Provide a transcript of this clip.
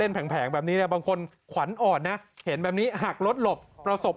แผงแบบนี้เนี่ยบางคนขวัญอ่อนนะเห็นแบบนี้หักรถหลบประสบ